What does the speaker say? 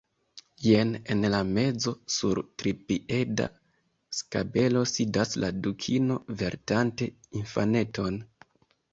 Jen en la mezo, sur tripieda skabelo sidas la Dukino vartante infaneton.